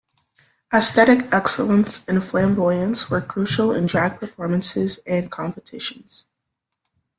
Aesthetic excellence and flamboyance were crucial in drag performances and competitions.